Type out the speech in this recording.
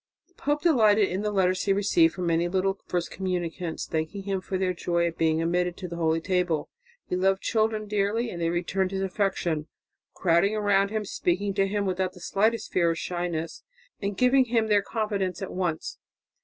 The pope delighted in the letters he received from many little first communicants thanking him for their joy at being admitted to the holy table; he loved children dearly and they returned his affection, crowding round him, speaking to him without the slightest fear or shyness, and giving him their confidence at once.